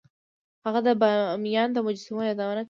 هغه د بامیان د مجسمو یادونه کړې